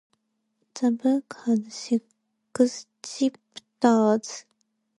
The book has six chapters.